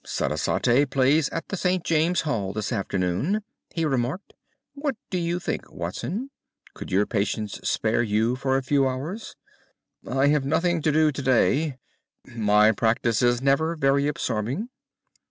"Sarasate plays at the St. James's Hall this afternoon," he remarked. "What do you think, Watson? Could your patients spare you for a few hours?" "I have nothing to do to day. My practice is never very absorbing."